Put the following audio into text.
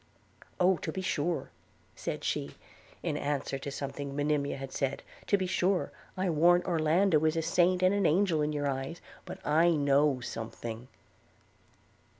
'Oh! to be sure,' said she, in answer to something Monimia had said; 'to be sure, I warrant Orlando is a saint and an angel in your eyes – but I know something.'